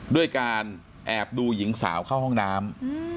ด้วยการแอบดูหญิงสาวเข้าห้องน้ำ